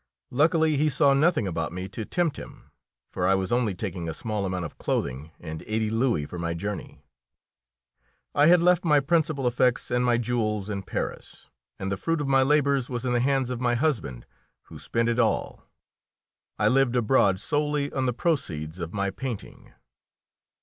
Luckily he saw nothing about me to tempt him, for I was only taking a small amount of clothing and eighty louis for my journey. I had left my principal effects and my jewels in Paris, and the fruit of my labours was in the hands of my husband, who spent it all. I lived abroad solely on the proceeds of my painting.